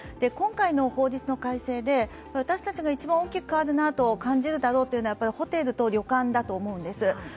今回の法律の改正で私たちが一番大きく変わるなと感じるのはやはりホテルと旅館だと思うんです。